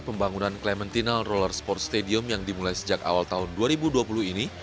pembangunan clementinal roller sport stadium yang dimulai sejak awal tahun dua ribu dua puluh ini